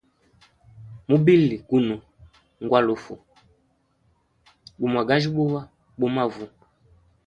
Mubili Gunwe ngwalufu, gumwagajyubuwa bu mavu.